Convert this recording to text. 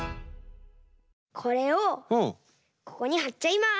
これをここにはっちゃいます。